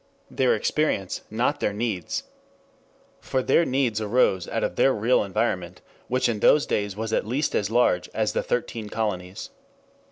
Their experience, not their needs. For their needs arose out of their real environment, which in those days was at least as large as the thirteen colonies.